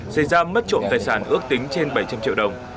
xây ra mất trộm tài sản ước tính trên bảy trăm linh triệu đồng